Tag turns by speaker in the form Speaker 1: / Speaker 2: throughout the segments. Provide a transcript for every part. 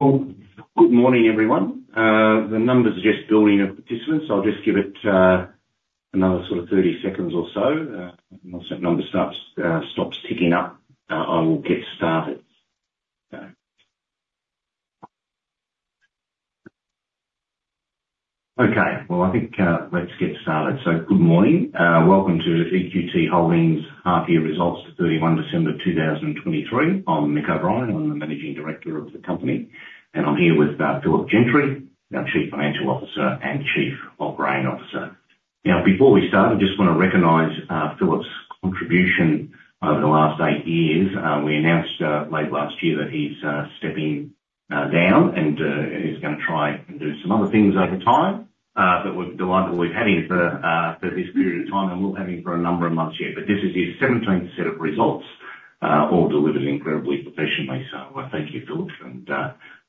Speaker 1: Well, good morning, everyone. The numbers are just building of participants. I'll just give it another sort of 30 seconds or so, once that number starts stops ticking up, I will get started. So... Okay, well, I think, let's get started. So good morning. Welcome to EQT Holdings' half year results to 31 December 2023. I'm Mick O'Brien, I'm the Managing Director of the company, and I'm here with Philip Gentry, our Chief Financial Officer and Chief Operating Officer. Now, before we start, I just want to recognize Philip's contribution over the last eight years. We announced late last year that he's stepping down, and he's going to try and do some other things over time. But we're delighted that we've had him for, for this period of time, and we'll have him for a number of months yet. But this is his seventeenth set of results, all delivered incredibly professionally. So thank you, Philip, and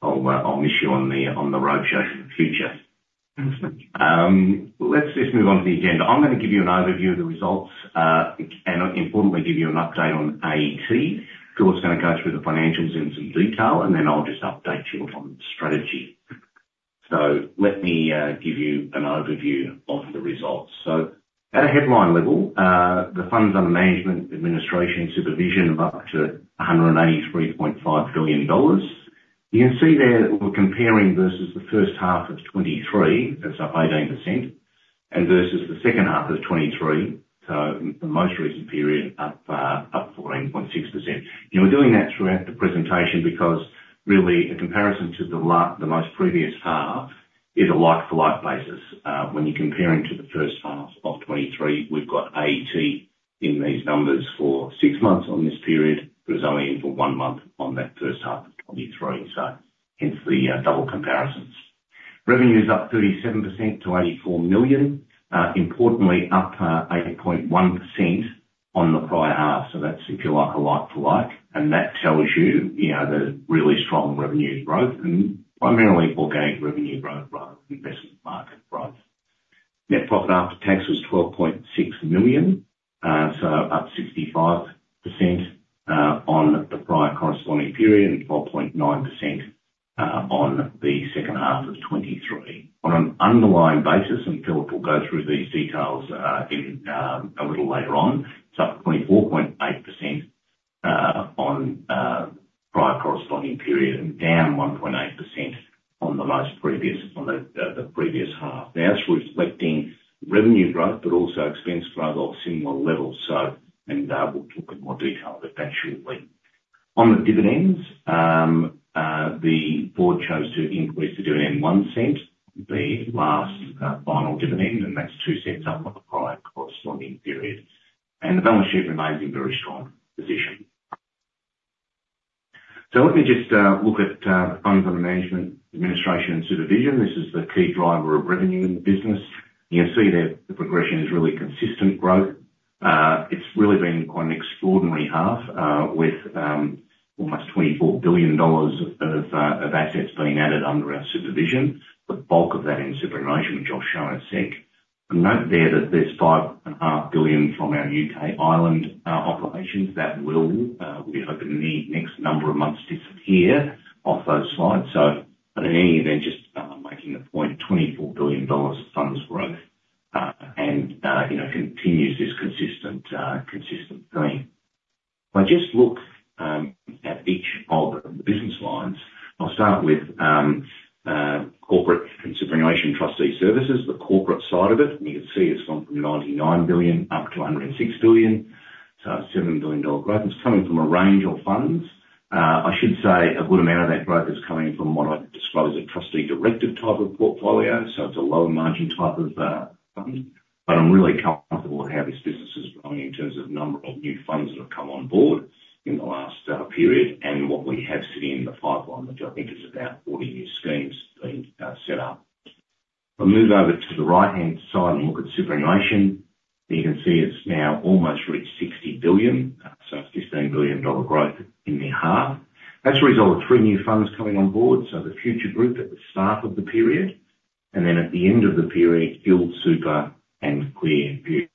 Speaker 1: I'll, I'll miss you on the, on the roadshow in the future. Thank you. Let's just move on to the agenda. I'm going to give you an overview of the results, and, importantly, give you an update on AET. Philip's going to go through the financials in some detail, and then I'll just update you on strategy. So let me, give you an overview of the results. So at a headline level, the funds under management, administration, and supervision are up to 183.5 billion dollars. You can see there that we're comparing versus the first half of 2023, that's up 18%, and versus the second half of 2023, so the most recent period, up 14.6%. And we're doing that throughout the presentation because, really, a comparison to the most previous half is a like-for-like basis. When you're comparing to the first half of 2023, we've got AET in these numbers for six months on this period. It was only in for one month on that first half of 2023, so hence the double comparisons. Revenue is up 37% to 84 million. Importantly, up 8.1% on the prior half. So that's if you like, a like-to-like, and that tells you, you know, the really strong revenue growth and primarily organic revenue growth rather than investment market growth. Net profit after tax was 12.6 million, so up 65% on the prior corresponding period, and 12.9% on the second half of 2023. On an underlying basis, and Philip will go through these details in a little later on, it's up 24.8% on prior corresponding period, and down 1.8% on the previous half. Now, that's reflecting revenue growth, but also expense growth of similar levels, so... We'll talk in more detail about that shortly. On the dividends, the board chose to increase the dividend 0.01, the last final dividend, and that's 0.02 up on the prior corresponding period. The balance sheet remains in very strong position. So let me just look at the funds under management, administration, and supervision. This is the key driver of revenue in the business. You can see that the progression is really consistent growth. It's really been quite an extraordinary half with almost 24 billion dollars of assets being added under our supervision. The bulk of that in superannuation, which I'll show in a sec. Note there that there's 5.5 billion from our UK and Ireland operations, that will we hope in the next number of months, disappear off those slides. But in any event, just making the point, 24 billion dollars of funds growth and you know, continues this consistent theme. If I just look at each of the business lines, I'll start with Corporate and Superannuation Trustee Services, the corporate side of it. You can see it's gone from 99 billion up to 106 billion, so a 7 billion dollar growth. It's coming from a range of funds. I should say a good amount of that growth is coming from what I'd disclose a trustee-directed type of portfolio, so it's a lower margin type of fund. I'm really comfortable with how this business is growing in terms of number of new funds that have come on board in the last period, and what we have sitting in the pipeline, which I think is about 40 new schemes being set up. If I move over to the right-hand side and look at superannuation, you can see it's now almost reached 60 billion, so it's 15 billion dollar growth in the half. That's a result of three new funds coming on board, so the Future Group at the start of the period, and then at the end of the period, GuildSuper and ClearView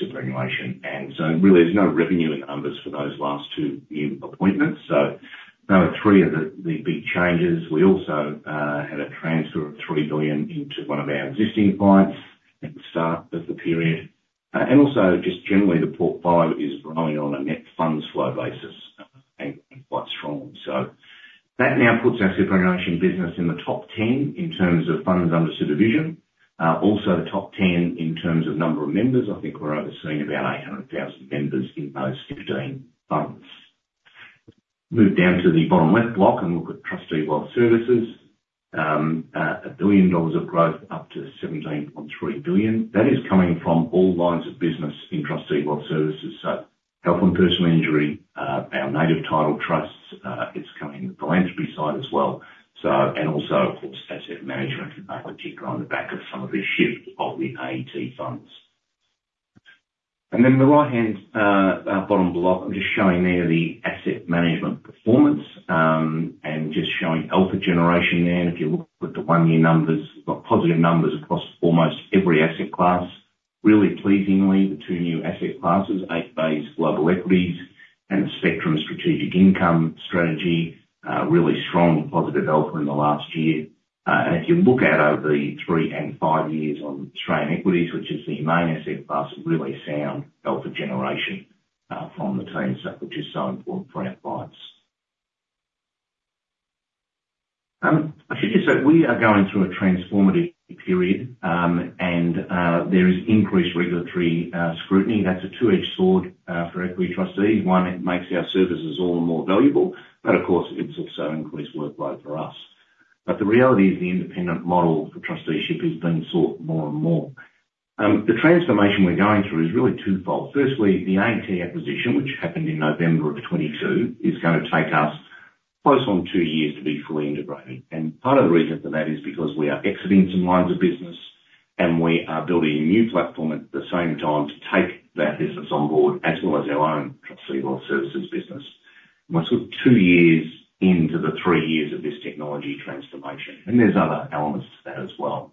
Speaker 1: Superannuation. So really, there's no revenue in the numbers for those last two new appointments, so those are three of the big changes. We also had a transfer of 3 billion into one of our existing clients at the start of the period. And also, just generally, the portfolio is growing on a net funds flow basis, and quite strong. So that now puts our superannuation business in the top 10 in terms of funds under supervision. Also the top 10 in terms of number of members. I think we're overseeing about 800,000 members in those 15 funds. Move down to the bottom left block and look at Trustee and Wealth Services. 1 billion dollars of growth up to 17.3 billion. That is coming from all lines of business in Trustee and Wealth Services, so Health and Personal Injury, our Native Title trusts, it's coming from the philanthropy side as well, so, and also, of course, asset management, particularly on the back of some of the shift of the AET funds. And then the right-hand bottom block, I'm just showing there the asset management performance, and just showing alpha generation there. And if you look at the one-year numbers, we've got positive numbers across almost every asset class.... Really pleasingly, the two new asset classes, Eight Bays Global Equities and Spectrum Strategic Income strategy, really strong positive alpha in the last year. And if you look out over the three and five years on Australian Equities, which is the main asset class, really sound alpha generation, from the team, so which is so important for our clients. I should just say, we are going through a transformative period, and there is increased regulatory scrutiny. That's a two-edged sword, for Equity Trustees. One, it makes our services all the more valuable, but of course, it's also increased workload for us. But the reality is, the independent model for trusteeship is being sought more and more. The transformation we're going through is really twofold. Firstly, the AET acquisition, which happened in November of 2022, is gonna take us close on two years to be fully integrated. Part of the reason for that is because we are exiting some lines of business, and we are building a new platform at the same time to take that business on board, as well as our own trustee loan services business. We're sort of two years into the three years of this technology transformation, and there's other elements to that as well.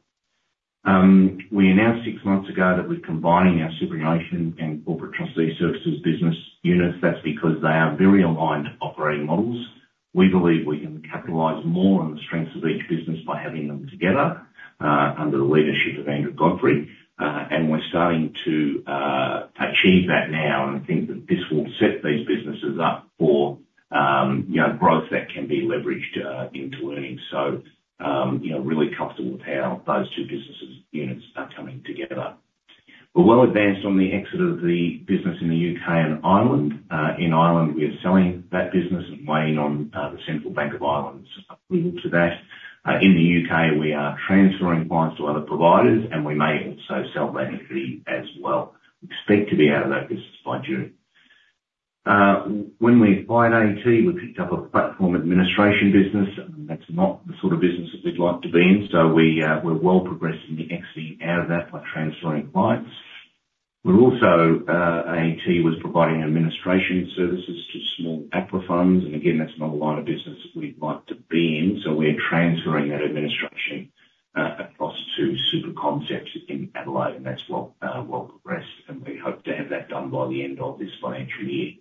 Speaker 1: We announced six months ago that we're combining our Superannuation and Corporate Trustee Services business units. That's because they are very aligned operating models. We believe we can capitalize more on the strengths of each business by having them together under the leadership of Andrew Godfrey. And we're starting to achieve that now, and think that this will set these businesses up for, you know, growth that can be leveraged into earnings. So, you know, really comfortable with how those two business units are coming together. We're well advanced on the exit of the business in the U.K. and Ireland. In Ireland, we are selling that business and waiting on the Central Bank of Ireland's approval to that. In the U.K., we are transferring clients to other providers, and we may also sell that entity as well. We expect to be out of that business by June. When we acquired AET, we picked up a platform administration business, and that's not the sort of business that we'd like to be in. So we're well progressing the exiting out of that by transferring clients. We're also, AET was providing administration services to small APRA funds, and again, that's not a line of business that we'd like to be in, so we're transferring that administration, across to SuperConcepts in Adelaide, and that's well, well progressed, and we hope to have that done by the end of this financial year.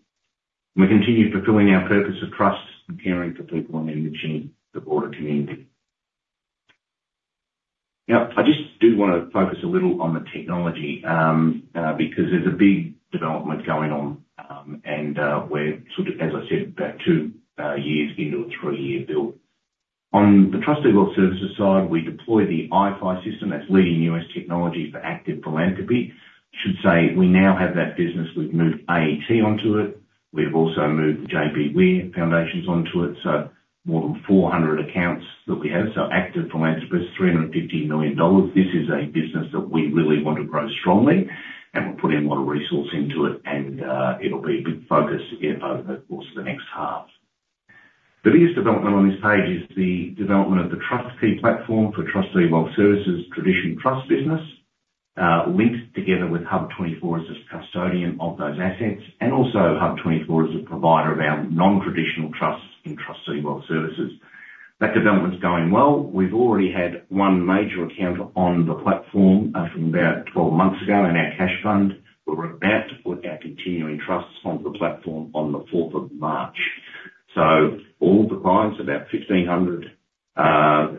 Speaker 1: We continue fulfilling our purpose of trust and caring for people and engaging the broader community. Now, I just do want to focus a little on the technology, because there's a big development going on, and we're sort of, as I said, about two years into a three-year build. On the Trustee and Wealth Services side, we deploy the iPhi system, that's leading U.S. technology for active philanthropy. Should say, we now have that business, we've moved AET onto it. We've also moved JBWere Foundations onto it, so more than 400 accounts that we have. So active philanthropists, 350 million dollars. This is a business that we really want to grow strongly, and we're putting a lot of resource into it, and, it'll be a big focus, again, over the course of the next half. The biggest development on this page is the development of the TrustQuay platform for Trustee and Wealth Services, traditional trust business, linked together with HUB24 as a custodian of those assets, and also HUB24 as a provider of our non-traditional trusts and trustee wealth services. That development's going well. We've already had one major account on the platform, from about 12 months ago, and our cash fund. We're about to put our continuing trusts onto the platform on the fourth of March. So all the clients, about 1,500,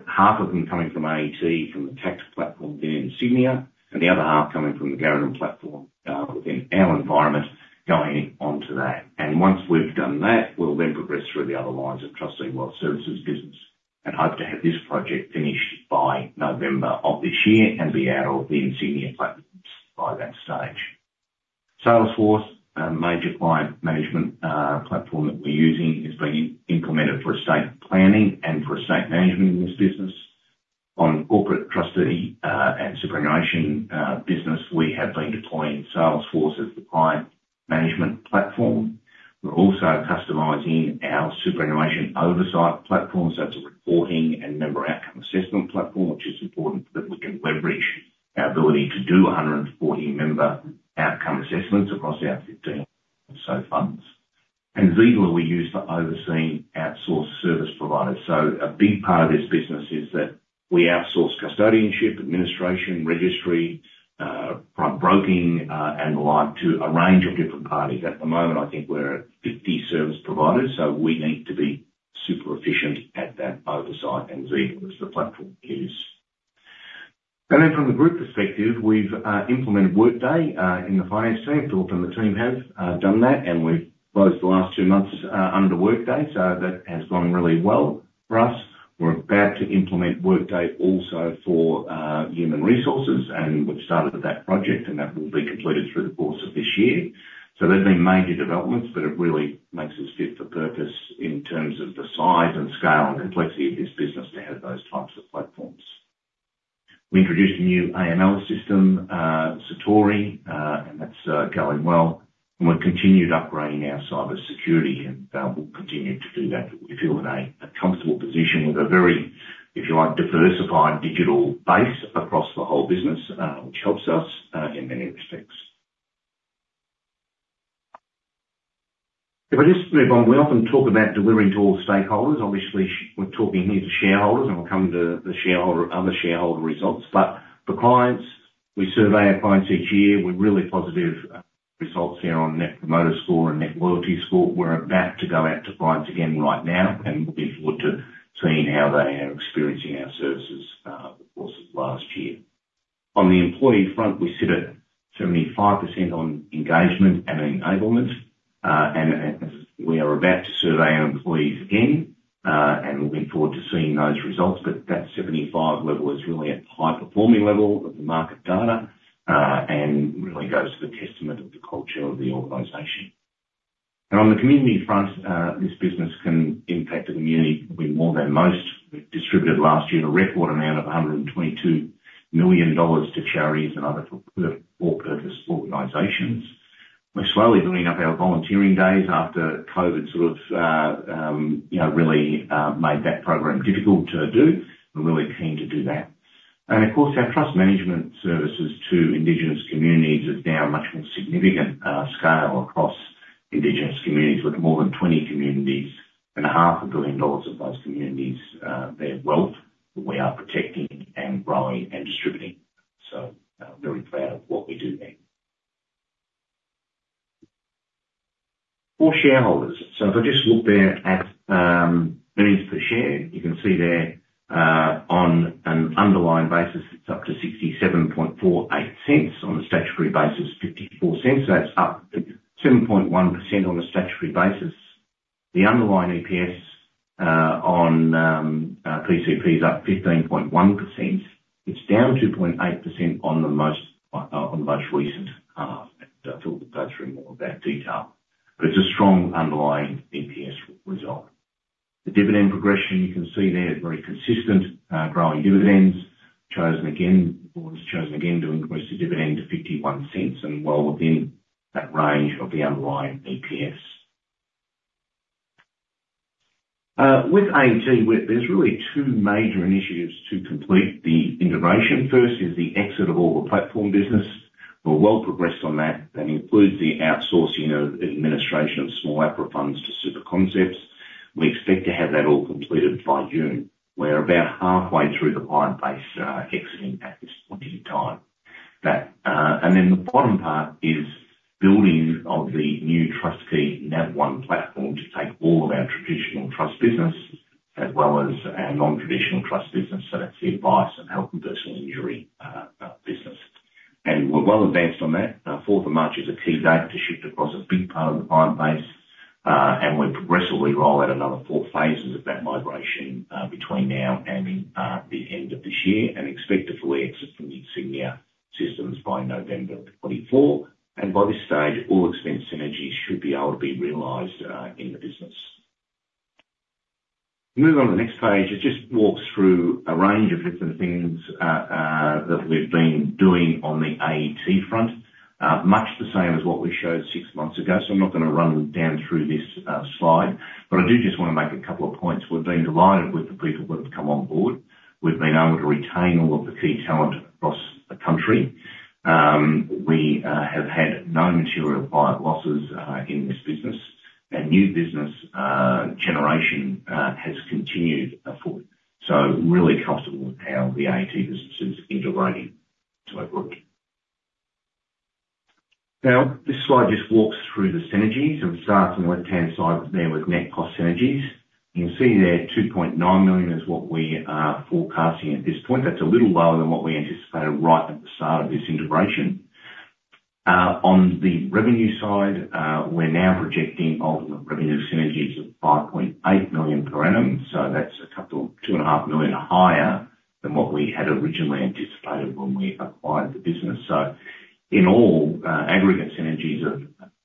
Speaker 1: half of them coming from AET, from the tax platform there in Insignia, and the other half coming from the Garradin platform within our environment, going onto that. And once we've done that, we'll then progress through the other lines of Trustee and Wealth Services business, and hope to have this project finished by November of this year, and be out of the Insignia platforms by that stage. Salesforce, a major client management platform that we're using, is being implemented for estate planning and for estate management in this business. On Corporate Trustee and Superannuation business, we have been deploying Salesforce as the client management platform. We're also customizing our superannuation oversight platform, so that's a reporting and member outcome assessment platform, which is important that we can leverage our ability to do 140 member outcome assessments across our 15 or so funds. And Zeidler we use for overseeing outsourced service providers. So a big part of this business is that we outsource custodianship, administration, registry, front broking, and the like, to a range of different parties. At the moment, I think we're at 50 service providers, so we need to be super efficient at that oversight, and Zeidler as the platform is. And then from the group perspective, we've implemented Workday in the finance team. Philip and the team have done that, and we've closed the last two months under Workday, so that has gone really well for us. We're about to implement Workday also for, human resources, and we've started that project, and that will be completed through the course of this year. So there's been major developments, but it really makes us fit for purpose in terms of the size and scale and complexity of this business to have those types of platforms. We introduced a new AML system, Satori, and that's going well. And we've continued upgrading our cybersecurity, and, we'll continue to do that. We feel in a comfortable position with a very, if you like, diversified digital base across the whole business, which helps us, in many respects. If I just move on, we often talk about delivering to all stakeholders. Obviously, we're talking here to shareholders, and we'll come to the shareholder, other shareholder results. But for clients, we survey our clients each year with really positive results here on Net Promoter Score and Net Loyalty Score. We're about to go out to clients again right now, and we'll be forward to seeing how they are experiencing our services over the course of last year. On the employee front, we sit at 75% on engagement and enablement, and we are about to survey our employees again, and we're looking forward to seeing those results. But that 75 level is really a high performing level of the market data, and really goes to the testament of the culture of the organization. And on the community front, this business can impact the community probably more than most. We distributed last year a record amount of 122 million dollars to charities and other all-purpose organizations. We're slowly building up our volunteering days after COVID sort of, you know, really made that program difficult to do. We're really keen to do that. And of course, our trust management services to Indigenous communities is now a much more significant scale across Indigenous communities, with more than 20 communities and 500 million dollars of those communities their wealth, we are protecting and growing and distributing. So, very proud of what we do there. For shareholders, so if I just look there at, earnings per share, you can see there, on an underlying basis, it's up to 0.6748. On a statutory basis, 0.54. So that's up 7.1% on a statutory basis. The underlying EPS, on, PCP is up 15.1%. It's down 2.8% on the most, on the most recent... Phil will go through more of that detail. But it's a strong underlying EPS result. The dividend progression, you can see there, is very consistent, growing dividends. Chosen again-- the board has chosen again to increase the dividend to 0.51, and well within that range of the underlying EPS. With AET, there's really two major initiatives to complete the integration. First is the exit of all the platform business. We're well progressed on that. That includes the outsourcing of the administration of small APRA funds to SuperConcepts. We expect to have that all completed by June. We're about halfway through the client base, exiting at this point in time. That, and then the bottom part is building of the new Trustee NavOne platform to take all of our traditional trust business, as well as our non-traditional trust business, so that's the advice and Health with Personal Injury, business. And we're well advanced on that. Fourth of March is a key date to shift across a big part of the client base, and we'll progressively roll out another four phases of that migration, between now and the end of this year, and expect to fully exit from the Insignia systems by November of 2024. And by this stage, all expense synergies should be able to be realized, in the business. Move on to the next page. It just walks through a range of different things, that we've been doing on the AET front. Much the same as what we showed six months ago, so I'm not gonna run down through this slide, but I do just want to make a couple of points. We've been delighted with the people that have come on board. We've been able to retain all of the key talent across the country. We have had no material client losses in this business. New business generation has continued afoot. So really comfortable with how the AET business is integrating into EQT. Now, this slide just walks through the synergies and starts on the left-hand side there with net cost synergies. You can see there, 2.9 million is what we are forecasting at this point. That's a little lower than what we anticipated right at the start of this integration. On the revenue side, we're now projecting ultimate revenue synergies of 5.8 million per annum, so that's a couple, 2.5 million higher than what we had originally anticipated when we acquired the business. So in all, aggregate synergies of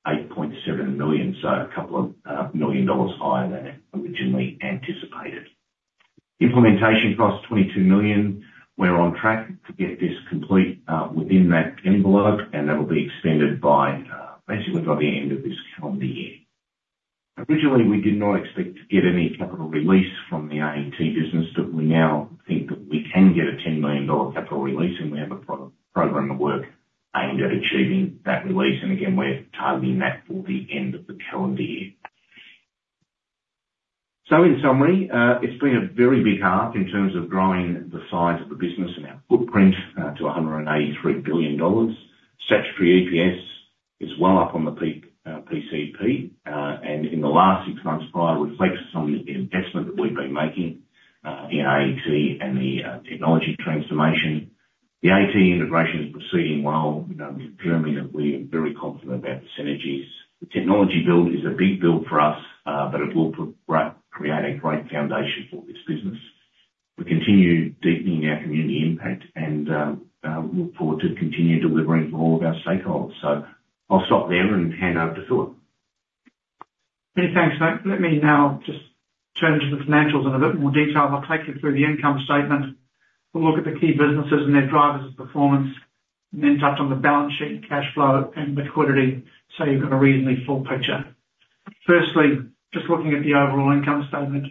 Speaker 1: 8.7 million, so a couple of million dollars higher than originally anticipated. Implementation costs: 22 million. We're on track to get this complete within that envelope, and that'll be extended by basically by the end of this calendar year. Originally, we did not expect to get any capital release from the AET business, but we now think that we can get a 10 million dollar capital release, and we have a program of work aimed at achieving that release. And again, we're targeting that for the end of the calendar year. So in summary, it's been a very big half in terms of growing the size of the business and our footprint to 183 billion dollars. Statutory EPS is well up on the peak PCP, and in the last six months prior, reflects on the investment that we've been making in AET and the technology transformation. The AET integration is proceeding well. You know, we're firmly and we are very confident about the synergies. The technology build is a big build for us, but it will create a great foundation for this business. We continue deepening our community impact and look forward to continue delivering for all of our stakeholders. So I'll stop there and hand over to Phil.
Speaker 2: Many thanks, mate. Let me now just turn to the financials in a bit more detail. I'll take you through the income statement. We'll look at the key businesses and their drivers of performance, and then touch on the balance sheet, cash flow, and liquidity, so you've got a reasonably full picture. Firstly, just looking at the overall income statement,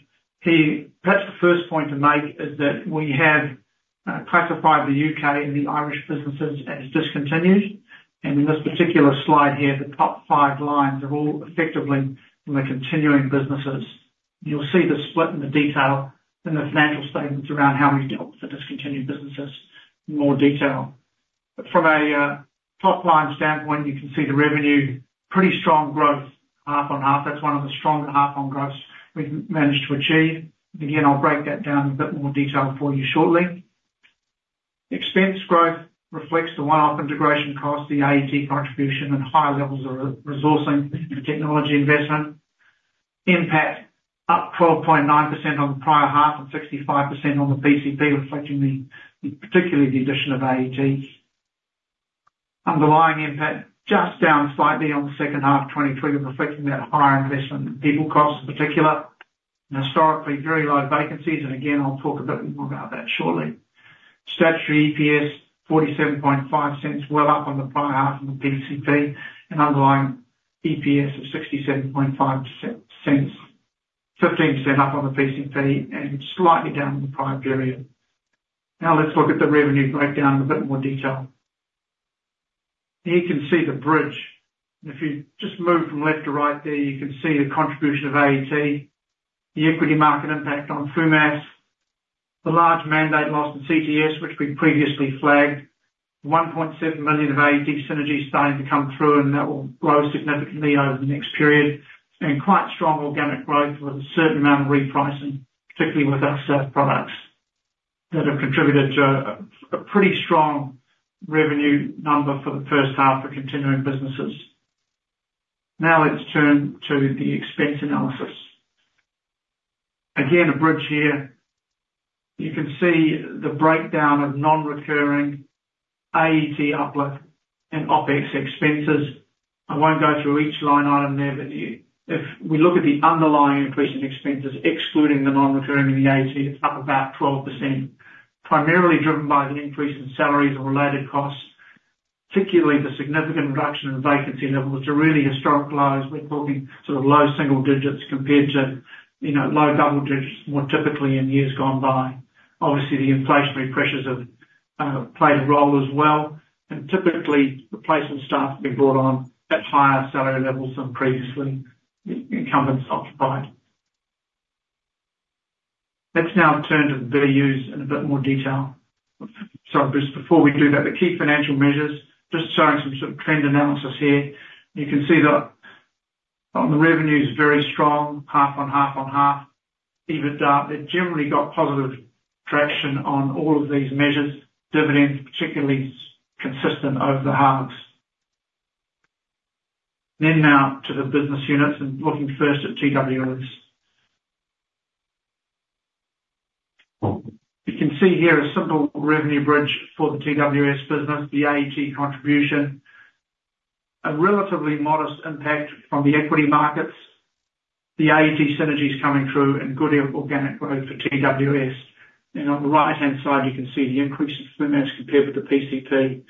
Speaker 2: perhaps the first point to make is that we have classified the U.K. and the Irish businesses as discontinued. And in this particular slide here, the top five lines are all effectively from the continuing businesses. You'll see the split in the detail in the financial statements around how we dealt with the discontinued businesses in more detail. But from a top-line standpoint, you can see the revenue, pretty strong growth, half-on-half. That's one of the stronger half-on growths we've managed to achieve. Again, I'll break that down in a bit more detail for you shortly. Expense growth reflects the one-off integration costs, the AET contribution, and high levels of resourcing and technology investment. Expenses up 12.9% on the prior half, and 65% on the PCP, reflecting the, particularly the addition of AET. Underlying expenses, just down slightly on the second half of 2023, reflecting that higher investment in people costs in particular, and historically, very low vacancies. Again, I'll talk a bit more about that shortly. Statutory EPS, 0.475, well up on the prior half of the PCP, and underlying EPS of 0.675, 15% up on the PCP, and slightly down in the prior period. Now, let's look at the revenue breakdown in a bit more detail. Here, you can see the bridge. If you just move from left to right there, you can see the contribution of AET, the equity market impact on FUMAS, the large mandate loss in CSTS, which we previously flagged, AUD 1.7 million of AET synergy starting to come through, and that will grow significantly over the next period. Quite strong organic growth with a certain amount of repricing, particularly with our SAF products, that have contributed to a pretty strong revenue number for the first half for continuing businesses. Now, let's turn to the expense analysis. Again, a bridge here. You can see the breakdown of non-recurring AET uplift and OpEx expenses. I won't go through each line item there, but if we look at the underlying increase in expenses, excluding the non-recurring and the AET, it's up about 12%, primarily driven by the increase in salaries and related costs, particularly the significant reduction in vacancy levels to really historic lows. We're talking sort of low single digits compared to, you know, low double digits, more typically in years gone by. Obviously, the inflationary pressures have played a role as well, and typically, replacement staff have been brought on at higher salary levels than previously the incumbents occupied. Let's now turn to the BUs in a bit more detail. Sorry, just before we do that, the key financial measures, just showing some sort of trend analysis here. You can see that on the revenue is very strong, half-on-half-on-half. EBITDA, it generally got positive traction on all of these measures. Dividends, particularly, consistent over the halves. Now to the business units, and looking first at TWS. You can see here a simple revenue bridge for the TWS business, the AET contribution, a relatively modest impact from the equity markets, the AET synergies coming through, and good organic growth for TWS. And on the right-hand side, you can see the increase in sums compared with the PCP.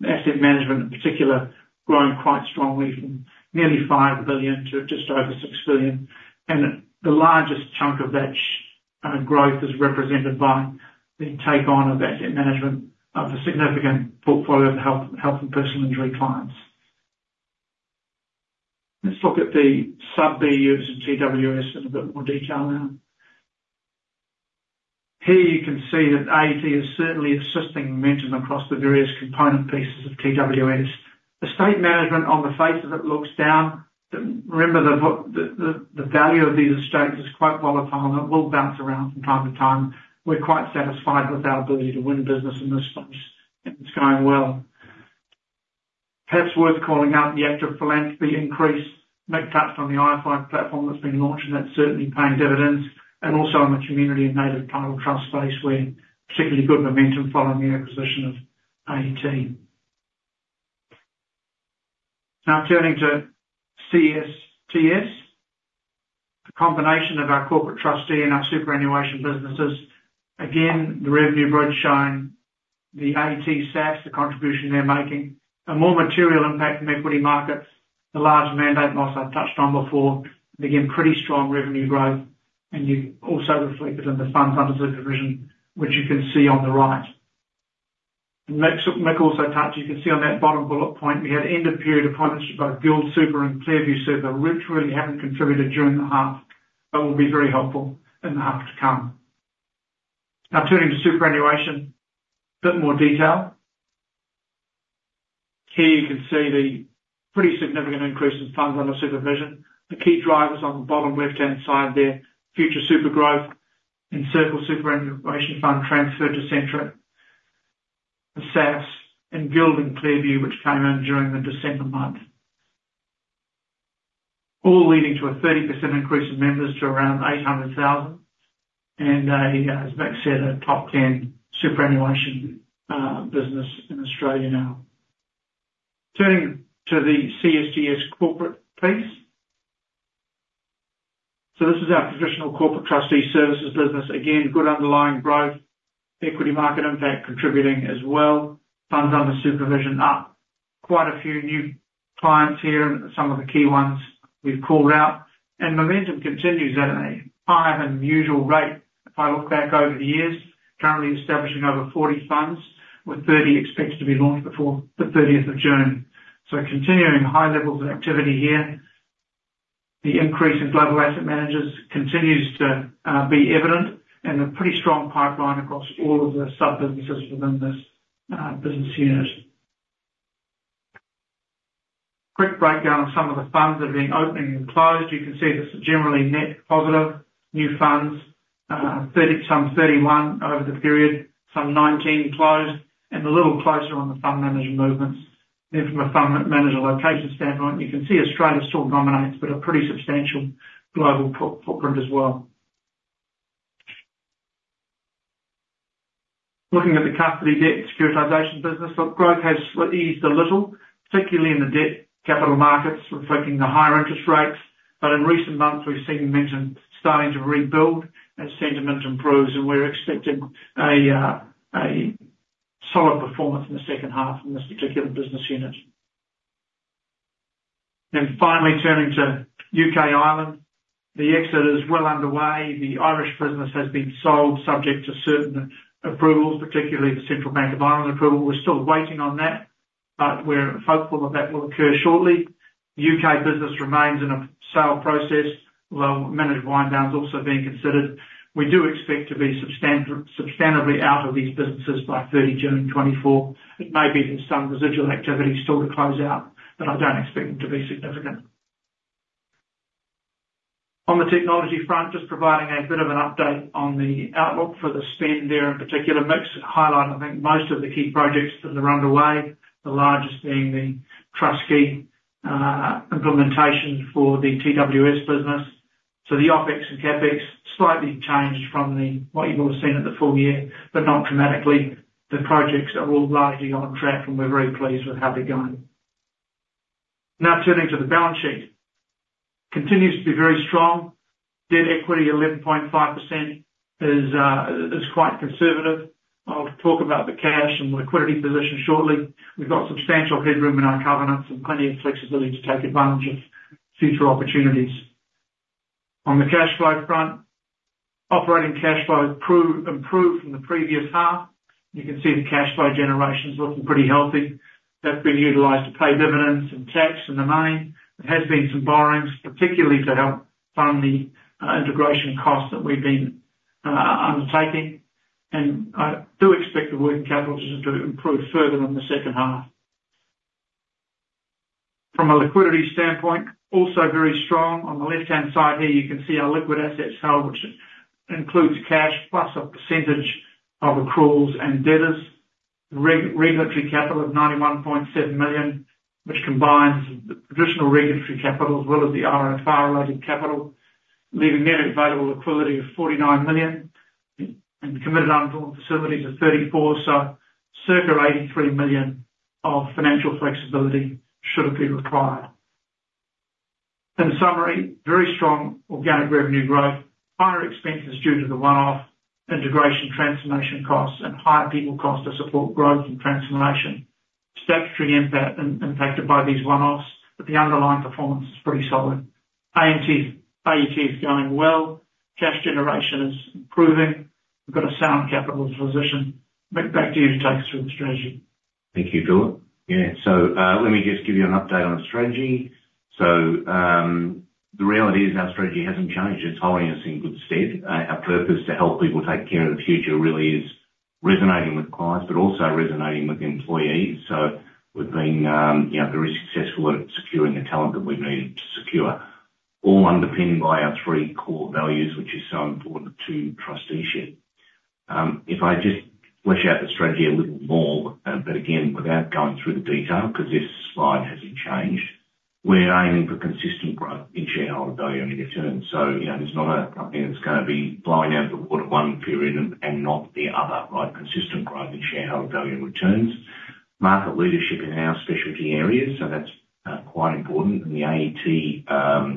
Speaker 2: The asset management, in particular, growing quite strongly from nearly 5 billion to just over 6 billion. And the largest chunk of that growth is represented by the take on of asset management of a significant portfolio of Health and Personal Injury clients. Let's look at the sub-BUs and TWS in a bit more detail now. Here, you can see that AET is certainly assisting momentum across the various component pieces of TWS. Estate management, on the face of it, looks down. But remember, the value of these estates is quite volatile, and it will bounce around from time to time. We're quite satisfied with our ability to win business in this space, and it's going well. Perhaps worth calling out the active philanthropy increase, Mick touched on the iPhi platform that's been launched, and that's certainly paying dividends, and also in the community and Native Title trust space, where particularly good momentum following the acquisition of AET. Now turning to CSTS, the combination of our Corporate Trustee and our Superannuation businesses. Again, the revenue bridge showing the AET SAF, the contribution they're making. A more material impact from equity markets, the large mandate loss I've touched on before. Again, pretty strong revenue growth, and you've also reflected in the funds under supervision, which you can see on the right. And Mick also touched, you can see on that bottom bullet point, we had end-of-period appointments for both GuildSuper and ClearView Super, which really haven't contributed during the half, but will be very helpful in the half to come. Now turning to superannuation, a bit more detail. Here, you can see the pretty significant increase in funds under supervision. The key drivers on the bottom left-hand side there, Future Super growth, Encircle Superannuation Fund transferred to Centric. The SAFs and Guild and ClearView, which came in during the December month. All leading to a 30% increase in members to around 800,000, and a, as Mick said, a top 10 superannuation business in Australia now. Turning to the CSTS corporate piece. So this is our professional Corporate Trustee Services business. Again, good underlying growth, equity market impact contributing as well. Funds under supervision are up. Quite a few new clients here, and some of the key ones we've called out. And momentum continues at a higher than usual rate. If I look back over the years, currently establishing over 40 funds, with 30 expected to be launched before the 30th of June. So continuing high levels of activity here. The increase in global asset managers continues to be evident, and a pretty strong pipeline across all of the sub-businesses within this business unit. Quick breakdown of some of the funds that have been opened and closed. You can see it's generally net positive, new funds, 31 over the period, 19 closed, and a little closer on the fund manager movements. From a fund manager location standpoint, you can see Australia still dominates, but a pretty substantial global footprint as well. Looking at the custody debt securitization business, growth has eased a little, particularly in the debt capital markets, reflecting the higher interest rates. But in recent months, we've seen momentum starting to rebuild as sentiment improves, and we're expecting a solid performance in the second half in this particular business unit. Finally, turning to U.K., Ireland, the exit is well underway. The Irish business has been sold subject to certain approvals, particularly the Central Bank of Ireland approval. We're still waiting on that, but we're hopeful that that will occur shortly. The U.K. business remains in a sale process, although managed wind down is also being considered. We do expect to be substantially out of these businesses by 30 June 2024. It may be that some residual activity is still to close out, but I don't expect them to be significant. On the technology front, just providing a bit of an update on the outlook for the spend there, in particular, mix. Highlight, I think, most of the key projects that are underway, the largest being the trustee implementation for the TWS business. So the OpEx and CapEx slightly changed from the, what you would've seen at the full year, but not dramatically. The projects are all largely on track, and we're very pleased with how they're going. Now, turning to the balance sheet. Continues to be very strong. Debt equity, 11.5% is quite conservative. I'll talk about the cash and liquidity position shortly. We've got substantial headroom in our covenants and plenty of flexibility to take advantage of future opportunities. On the cash flow front, operating cash flow improved from the previous half. You can see the cash flow generation's looking pretty healthy. That's been utilized to pay dividends and tax in the main. There has been some borrowings, particularly to help fund the integration costs that we've been undertaking, and I do expect the working capital to improve further in the second half. From a liquidity standpoint, also very strong. On the left-hand side here, you can see our liquid assets held, which includes cash plus a percentage of accruals and debtors. Regulatory capital of 91.7 million, which combines the traditional regulatory capital as well as the RFR-related capital, leaving net available liquidity of 49 million, and committed undrawn facilities of 34 million. So circa 83 million of financial flexibility should it be required. In summary, very strong organic revenue growth, higher expenses due to the one-off integration transformation costs, and higher people costs to support growth and transformation. Statutory impact, impacted by these one-offs, but the underlying performance is pretty solid. AET is going well, cash generation is improving. We've got a sound capital position. Back to you to take us through the strategy.
Speaker 1: Thank you, Phil. Yeah, so, let me just give you an update on the strategy. So, the reality is our strategy hasn't changed. It's holding us in good stead. Our purpose, to help people take care of the future, really is resonating with clients, but also resonating with employees. So we've been, you know, very successful at securing the talent that we've needed to secure. All underpinned by our three core values, which is so important to trusteeship. If I just flesh out the strategy a little more, but again, without going through the detail, 'cause this slide hasn't changed, we're aiming for consistent growth in shareholder value and returns. So, you know, this is not a company that's gonna be flying out the water one period and not the other, right? Consistent growth in shareholder value and returns. Market leadership in our specialty areas, so that's quite important. And the AET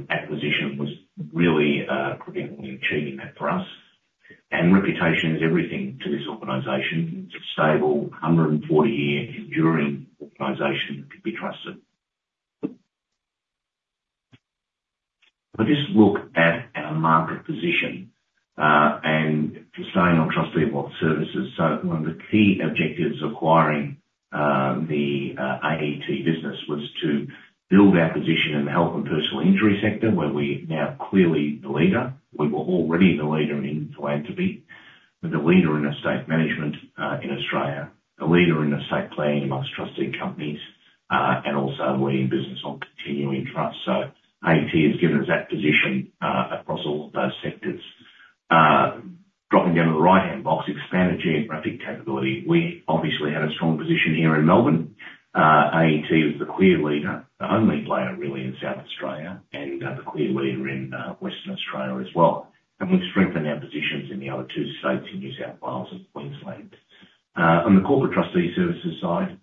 Speaker 1: acquisition was really critical in achieving that for us. And reputation is everything to this organization. It's a stable, 140-year enduring organization that can be trusted. So just look at our market position and just staying on Trustee and Wealth Services. So one of the key objectives of acquiring the AET business was to build our position in the health and personal injury sector, where we are now clearly the leader. We were already the leader in philanthropy, we're the leader in estate management in Australia, the leader in estate planning amongst trustee companies, and also the leading business on continuing trust. So AET has given us that position across all of those sectors. Dropping down to the right-hand box, expanded geographic capability. We obviously had a strong position here in Melbourne. AET was the clear leader, the only player really in South Australia, and the clear leader in Western Australia as well. We've strengthened our positions in the other two states, in New South Wales and Queensland. On the Corporate Trustee Services side,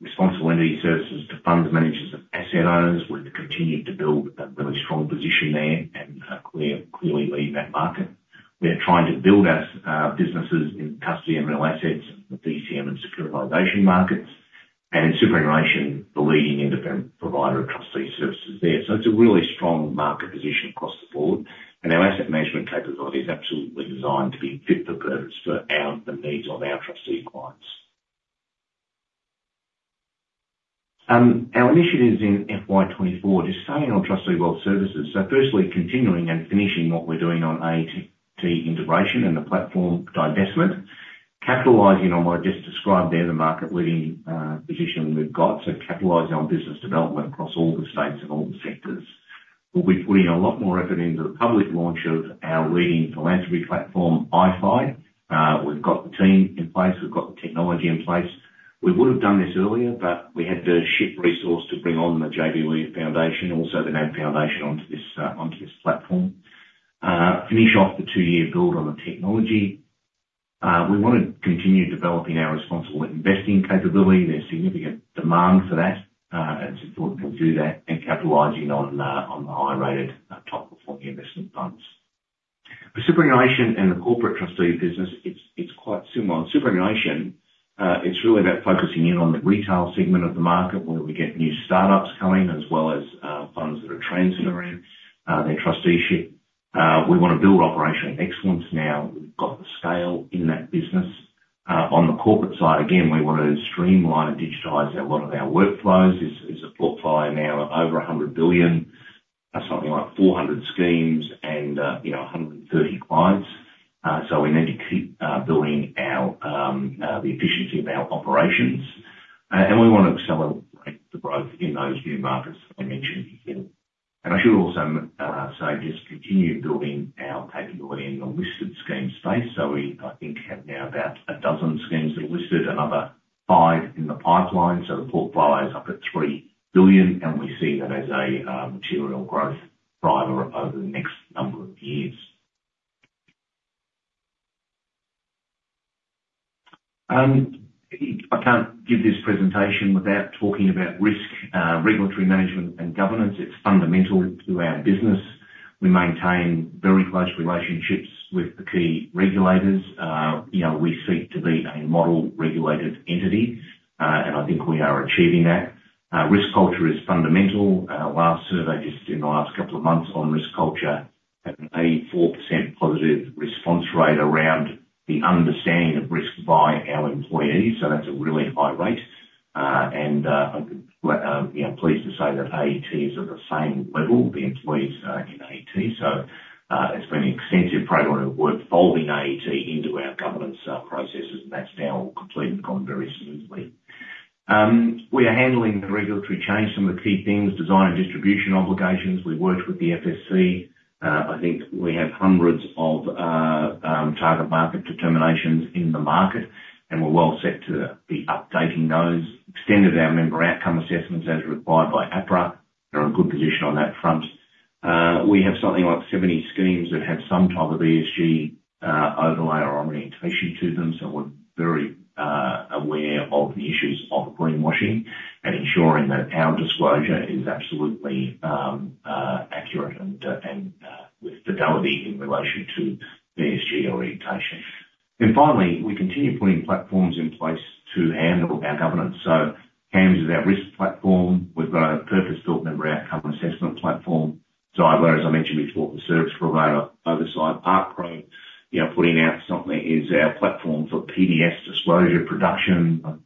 Speaker 1: responsible entity services to fund managers of asset owners. We've continued to build a really strong position there and clearly lead that market. We are trying to build our businesses in custody and real assets, the DCM and securitization markets, and in superannuation, the leading independent provider of trustee services there. So it's a really strong market position across the board, and our asset management capability is absolutely designed to be fit for purpose for the needs of our trustee clients. Our initiatives in FY 2024, just staying on Trustee and Wealth Services. So firstly, continuing and finishing what we're doing on AET integration and the platform divestment, capitalizing on what I just described there, the market-leading position we've got, so capitalizing on business development across all the states and all the sectors. We'll be putting a lot more effort into the public launch of our leading philanthropy platform, iPhi. We've got the team in place, we've got the technology in place. We would have done this earlier, but we had to shift resources to bring on the JB Were Foundation, and also the NAB Foundation onto this platform. Finish off the two-year build on the technology. We want to continue developing our responsible investing capability. There's significant demand for that, and so we can do that, and capitalizing on, on the high-rated, top-performing investment funds. The Superannuation and the Corporate Trustee Business, it's, it's quite similar. On superannuation, it's really about focusing in on the retail segment of the market, where we get new startups coming, as well as, funds that are transitioning, their trusteeship. We wanna build operational excellence now we've got the scale in that business. On the corporate side, again, we want to streamline and digitize a lot of our workflows. It's, it's a portfolio now of over 100 billion, something like 400 schemes and, you know, 130 clients. So we need to keep, building our, the efficiency of our operations. We want to accelerate the growth in those new markets I mentioned here. I should also say, just continue building our capability in the listed scheme space. We, I think, have now about a dozen schemes that are listed, another five in the pipeline. The portfolio is up at 3 billion, and we see that as a material growth driver over the next number of years. I can't give this presentation without talking about risk, regulatory management, and governance. It's fundamental to our business. We maintain very close relationships with the key regulators. You know, we seek to be a model regulated entity, and I think we are achieving that. Risk culture is fundamental. Our last survey, just in the last couple of months on risk culture, had an 84% positive response rate around the understanding of risk by our employees. So that's a really high rate. And I'm you know pleased to say that AET is at the same level, the employees in AET. So it's been an extensive program of work folding AET into our governance processes, and that's now all complete and gone very smoothly. We are handling the regulatory change. Some of the key things, design and distribution obligations. We've worked with the FSC. I think we have hundreds of target market determinations in the market, and we're well set to be updating those. Extended our member outcome assessments as required by APRA. We're in a good position on that front. We have something like 70 schemes that have some type of ESG overlay or orientation to them. So we're very aware of the issues of greenwashing and ensuring that our disclosure is absolutely accurate and with fidelity in relation to the ESG orientation. Then finally, we continue putting platforms in place to handle our governance. So Camms is our risk platform. We've got a purpose-built member outcome assessment platform. Zeidler, as I mentioned before, the service provider oversight. ArcPro, you know, putting out something, is our platform for PDS disclosure production. I don't know, we must have, what, a 1,000 PDSs and information memorandums and accompanying reference documents out on the market at any point in time. And Satori for AML monitoring.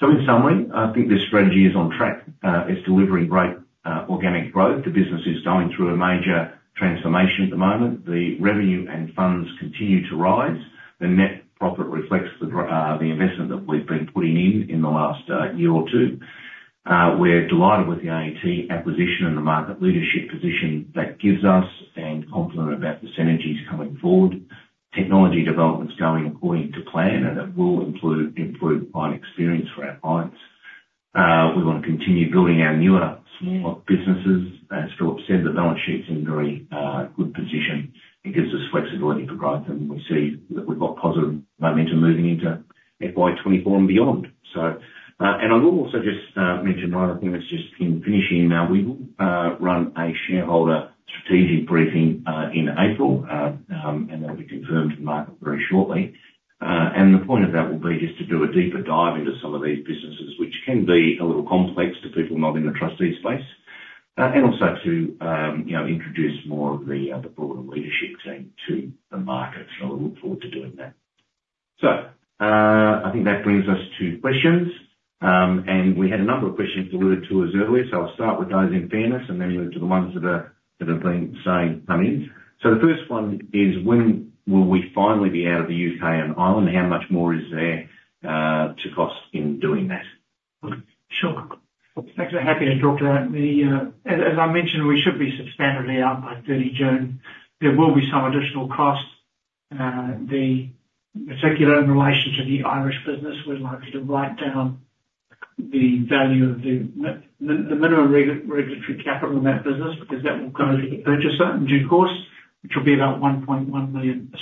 Speaker 1: So in summary, I think this strategy is on track. It's delivering great organic growth. The business is going through a major transformation at the moment. The revenue and funds continue to rise. The net profit reflects the investment that we've been putting in, in the last, year or two. We're delighted with the AET acquisition and the market leadership position that gives us, and confident about the synergies coming forward. Technology development's going according to plan, and it will improve, improve client experience for our clients. We want to continue building our newer businesses. As Philip said, the balance sheet's in very, good position and gives us flexibility for growth, and we see that we've got positive momentum moving into FY 2024 and beyond. So, and I will also just, mention one other thing that's just in finishing. We will run a shareholder strategic briefing in April, and that'll be confirmed to the market very shortly. And the point of that will be just to do a deeper dive into some of these businesses, which can be a little complex to people not in the trustee space. And also to, you know, introduce more of the broader leadership team to the market. So I look forward to doing that. So, I think that brings us to questions. And we had a number of questions alluded to us earlier, so I'll start with those in fairness, and then move to the ones that are, that have been saying come in. So the first one is: When will we finally be out of the U.K. and Ireland? How much more is there to cost in doing that?
Speaker 2: Sure. Thanks. I'm happy to talk to that. As I mentioned, we should be substantially out by 30 June. There will be some additional costs. Particularly in relation to the Irish business, we're likely to write down the value of the minimum regulatory capital in that business, because that will go to the purchaser in due course, which will be about 1.1 million.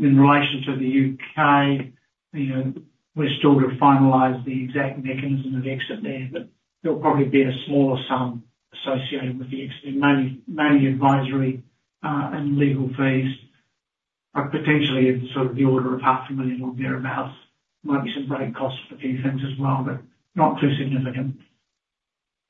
Speaker 2: In relation to the U.K., you know, we're still to finalize the exact mechanism of exit there, but there'll probably be a smaller sum associated with the exit, mainly advisory and legal fees, but potentially in sort of the order of 0.5 million or thereabout. Might be some break costs for a few things as well, but not too significant.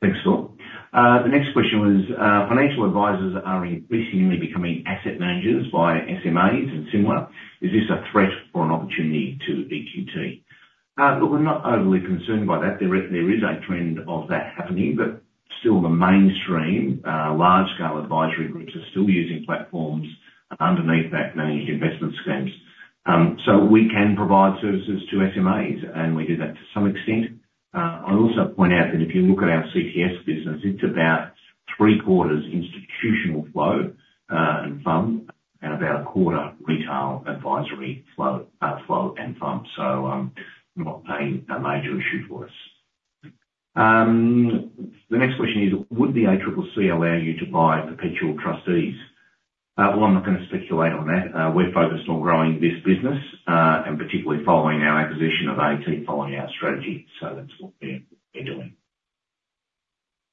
Speaker 1: Thanks, Phil. The next question was: Financial advisors are increasingly becoming asset managers via SMAs and similar. Is this a threat or an opportunity to EQT? Look, we're not overly concerned by that. There is a trend of that happening, but still the mainstream large-scale advisory groups are still using platforms underneath that manage investment schemes. So we can provide services to SMAs, and we do that to some extent. I'll also point out that if you look at our CTS business, it's about three-quarters institutional flow and fund, and about a quarter retail advisory flow and fund. So not a major issue for us. The next question is: Would the ACCC allow you to buy Perpetual Trustees? Well, I'm not gonna speculate on that. We're focused on growing this business, and particularly following our acquisition of AET, following our strategy. So that's what we're doing.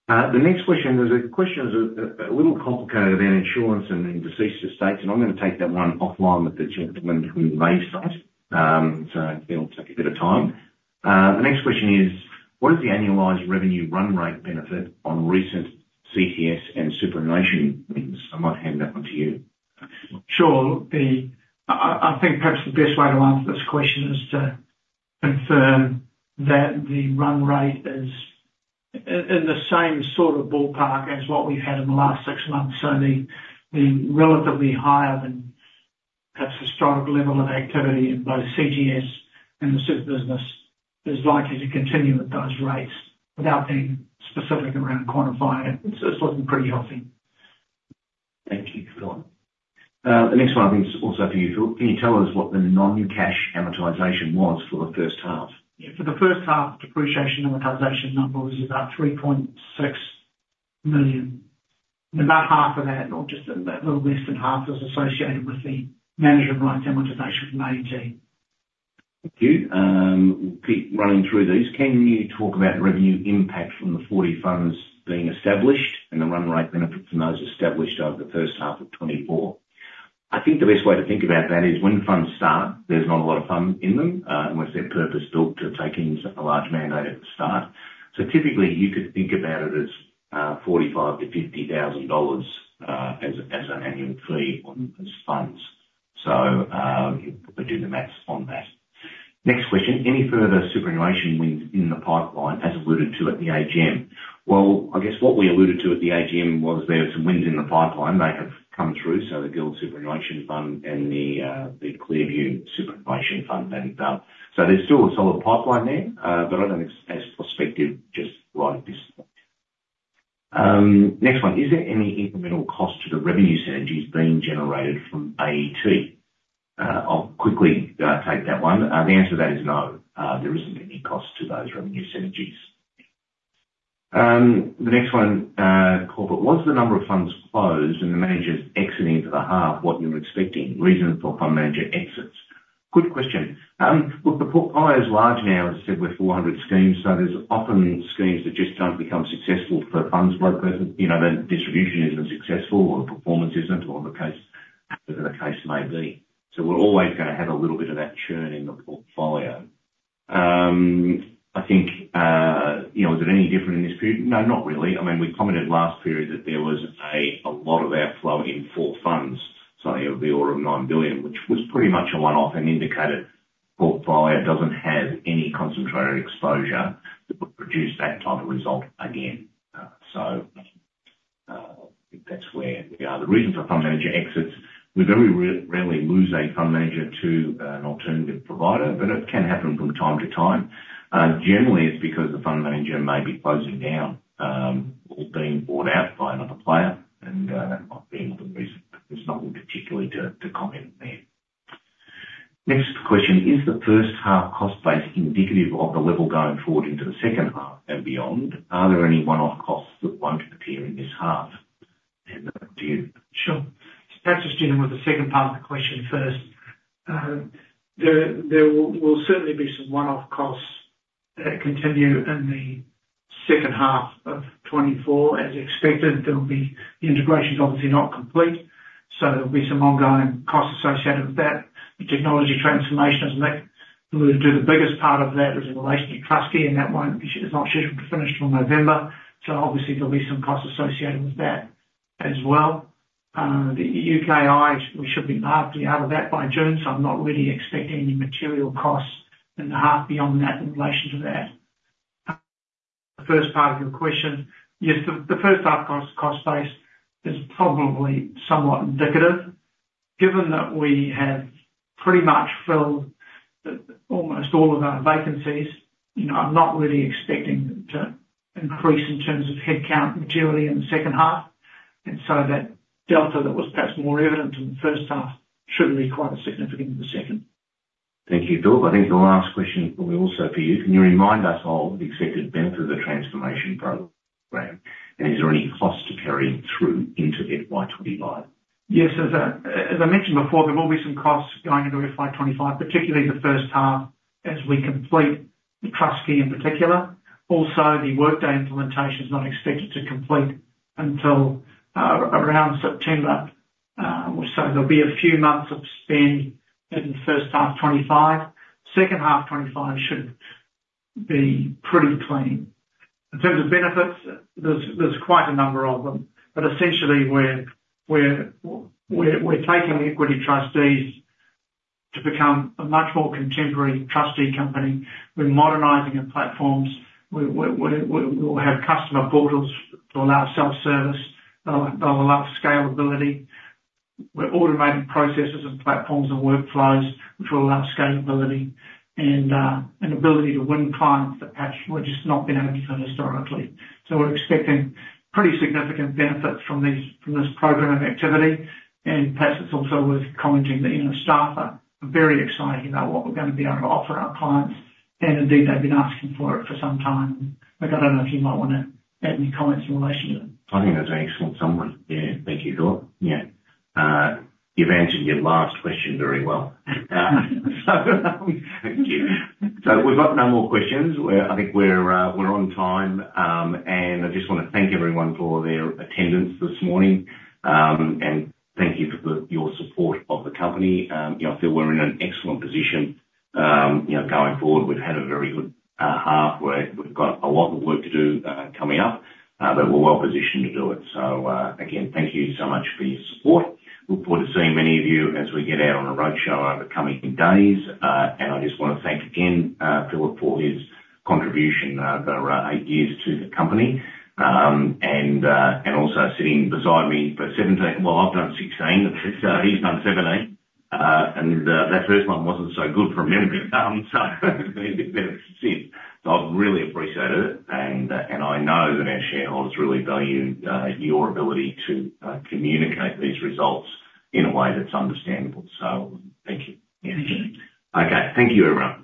Speaker 1: The next question is a little complicated about insurance and deceased estates, and I'm gonna take that one offline with the gentleman who raised it. So it'll take a bit of time. The next question is: What is the annualized revenue run rate benefit on recent CTS and superannuation wins? I might hand that one to you.
Speaker 2: Sure. I think perhaps the best way to answer this question is to confirm that the run rate is in the same sort of ballpark as what we've had in the last six months. So the relatively higher than perhaps historical level of activity in both CTS and the sup business is likely to continue at those rates without being specific around quantifying it. It's looking pretty healthy.
Speaker 1: Thank you, Phil. The next one I think is also for you, Phil. Can you tell us what the non-cash amortization was for the first half?
Speaker 2: Yeah, for the first half, depreciation and amortization number was about 3.6 million, and about half of that, or just a little less than half, was associated with the management rights amortization from AET.
Speaker 1: Thank you. We'll keep running through these. Can you talk about revenue impact from the 40 funds being established and the run rate benefit from those established over the first half of 2024? I think the best way to think about that is when funds start, there's not a lot of funds in them, unless their purpose built to take in a large mandate at the start. So typically, you could think about it as, 45,000-50,000 dollars, as, as an annual fee on those funds. So, you can probably do the math on that. Next question: Any further superannuation wins in the pipeline, as alluded to at the AGM? Well, I guess what we alluded to at the AGM was there are some wins in the pipeline. They have come through, so the GuildSuper and the ClearView Superannuation Fund, and so there's still a solid pipeline there, but I don't have as prospective just right at this point. Next one: Is there any incremental cost to the revenue synergies being generated from AET? I'll quickly take that one. The answer to that is no. There isn't any cost to those revenue synergies. The next one, corporate: Was the number of funds closed and the managers exiting for the half what you're expecting? Reason for fund manager exits. Good question. Well, the portfolio is large now, as I said, we're 400 schemes, so there's often schemes that just don't become successful for funds flow purposes. You know, the distribution isn't successful, or the performance isn't, or the case, whatever the case may be. So we're always gonna have a little bit of that churn in the portfolio. I think, you know, is it any different in this period? No, not really. I mean, we commented last period that there was a lot of outflow in four funds, something of the order of 9 billion, which was pretty much a one-off and indicated portfolio doesn't have any concentrated exposure that would produce that type of result again. I think that's where we are. The reason for fund manager exits, we very rarely lose a fund manager to an alternative provider, but it can happen from time to time. Generally, it's because the fund manager may be closing down, or being bought out by another player, and that might be another reason, but there's nothing particularly to comment there. Next question: Is the first half cost base indicative of the level going forward into the second half and beyond? Are there any one-off costs that won't appear in this half? Hand that over to you.
Speaker 2: Sure. Perhaps just dealing with the second part of the question first. There will certainly be some one-off costs that continue in the second half of 2024, as expected. There will be. The integration is obviously not complete, so there'll be some ongoing costs associated with that. The technology transformation, isn't that—well, the biggest part of that is in relation to trustee, and that is not scheduled to finish till November, so obviously there'll be some costs associated with that as well. The UKI, we should be largely out of that by June, so I'm not really expecting any material costs in the half beyond that in relation to that. The first part of your question: Yes, the first half cost base is probably somewhat indicative, given that we have pretty much filled almost all of our vacancies. You know, I'm not really expecting them to increase in terms of headcount materially in the second half.... And so that delta that was perhaps more evident in the first half, shouldn't be quite as significant in the second.
Speaker 1: Thank you, Philip. I think the last question will be also for you. Can you remind us of the expected benefit of the transformation program, and is there any cost to carrying through into FY 2025?
Speaker 2: Yes, as I mentioned before, there will be some costs going into FY 2025, particularly the first half, as we complete the trustee in particular. Also, the Workday implementation is not expected to complete until around September. So there'll be a few months of spend in the first half 2025. Second half 2025 should be pretty clean. In terms of benefits, there's quite a number of them, but essentially, we're taking Equity Trustees to become a much more contemporary trustee company. We're modernizing our platforms. We'll have customer portals to allow self-service, they'll allow scalability. We're automating processes and platforms and workflows, which will allow scalability and an ability to win clients that perhaps we've just not been able to historically. So we're expecting pretty significant benefits from this program of activity. And perhaps it's also worth commenting that, you know, staff are very excited about what we're going to be able to offer our clients, and indeed, they've been asking for it for some time. Look, I don't know if you might wanna add any comments in relation to that.
Speaker 1: I think that's an excellent summary. Yeah. Thank you, Philip. Yeah. You've answered your last question very well. So thank you. So we've got no more questions. I think we're on time, and I just wanna thank everyone for their attendance this morning. And thank you for your support of the company. You know, I feel we're in an excellent position, you know, going forward. We've had a very good half. We've got a lot of work to do coming up, but we're well positioned to do it. So, again, thank you so much for your support. Look forward to seeing many of you as we get out on the roadshow over the coming days. And I just wanna thank again, Philip, for his contribution over eight years to the company. Also sitting beside me for 17. Well, I've done 16, he's done 17. That first one wasn't so good for memory. So see, I've really appreciated it, and I know that our shareholders really value your ability to communicate these results in a way that's understandable. So thank you.
Speaker 2: Thank you.
Speaker 1: Okay. Thank you, everyone.